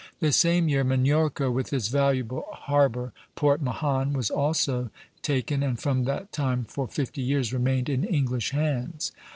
The same year Minorca, with its valuable harbor, Port Mahon, was also taken, and from that time for fifty years remained in English hands.